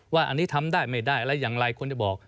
ว่าอันนี้ทำได้ไม่ได้อะไรอย่างไรควรจะบอก